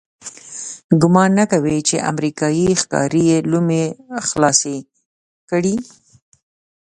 ګمان نه کوم چې امریکایي ښکاري یې لومې خلاصې کړي.